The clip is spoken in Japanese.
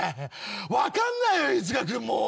分かんないよ飯塚君もう。